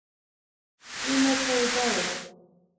وینه توده وه.